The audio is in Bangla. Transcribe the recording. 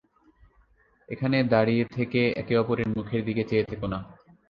এখানে দাঁড়িয়ে থেকে একে অপরের মুখের দিকে চেয়ে থেক না।